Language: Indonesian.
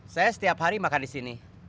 saya setiap hari makan di sini